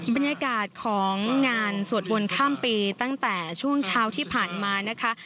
บรรยากาศของงานสวดมนต์ข้ามปีตั้งแต่ช่วงเช้าที่ผ่านมานะคะ